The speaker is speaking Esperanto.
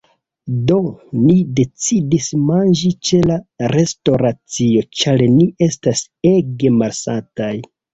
Do, ni decidis manĝi ĉe la restoracio ĉar ni estas ege malsataj